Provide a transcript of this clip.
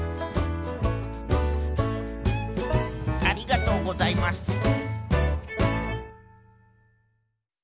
「ありがとうございます」